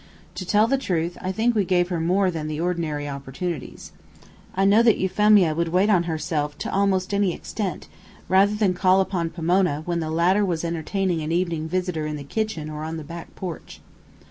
To tell the truth, I think we gave her more than the ordinary opportunities. I know that Euphemia would wait on herself to almost any extent, rather than call upon Pomona, when the latter was entertaining an evening visitor in the kitchen or on the back porch.